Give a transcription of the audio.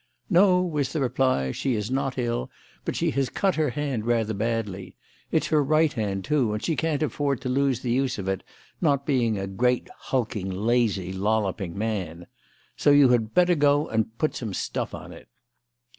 "No," was the reply, "she is not ill, but she has cut her hand rather badly. It's her right hand, too, and she can't afford to lose the use of it, not being a great, hulking, lazy, lolloping man. So you had better go and put some stuff on it."